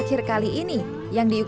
puncaknya adalah pernikahan yang berbeda